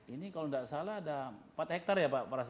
ini kalau tidak salah ada empat hektare ya pak